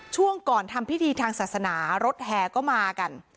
ช่วงก่อนทำพิธีทางศาสนารถแห่ก็มากัน